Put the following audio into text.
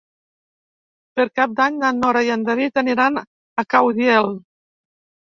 Per Cap d'Any na Nora i en David aniran a Caudiel.